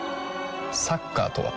サッカーとは？